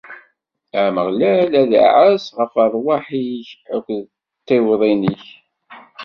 Ameɣlal ad iɛass ɣef ṛṛwaḥ-ik akked tiwḍin-ik.